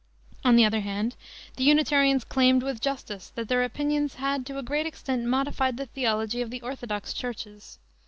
On the other hand, the Unitarians claimed, with justice, that their opinions had to a great extent modified the theology of the orthodox churches.